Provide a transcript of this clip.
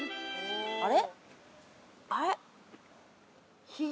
あれ？